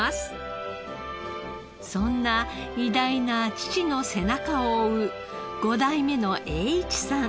そんな偉大な父の背中を追う５代目の栄一さん。